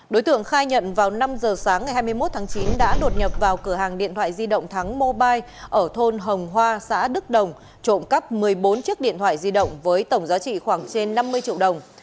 đối tượng khai nhận vào năm giờ sáng ngày hai mươi một tháng chín đã đột nhập vào cửa hàng điện thoại di động thắng mobile ở thôn hồng hoa xã đức đồng trộm cắp một mươi bốn chiếc điện thoại di động với tổng giá trị khoảng trên năm mươi triệu đồng